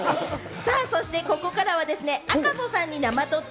ここからは赤楚さんに生ドッチ？